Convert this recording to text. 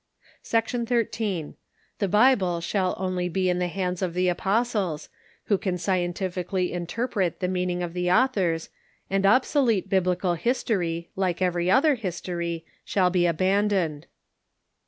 Section XIII. The Bible shall only be in the hands of the apostles, who can scientifically interpret the meaning of the authors, and obsolete Biblical history, like every other history, shall be abandoned.